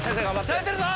耐えてるぞ！